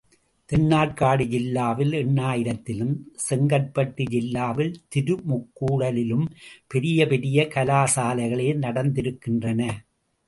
தென்னார்க்காடு ஜில்லாவில் எண்ணாயிரத்திலும், செங்கற்பட்டு ஜில்லாவில் திருமுக்கூடலிலும் பெரிய பெரிய கலாசாலைகளே நடந்திருக்கின்றன.